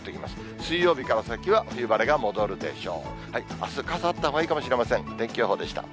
水曜日から先は冬晴れが戻るでしょう。